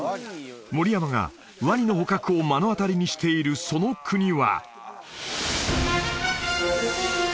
森山がワニの捕獲を目の当たりにしているその国は？